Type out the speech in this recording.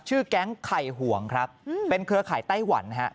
ชื่อแก๊งไข่ห่วงครับเป็นเครือข่ายไต้หวันฮะ